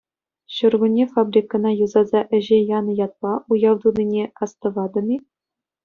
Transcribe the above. Ҫуркунне фабрикӑна юсаса ӗҫе янӑ ятпа уяв тунине астӑватӑн-и?